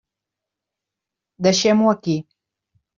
Deixem-ho aquí.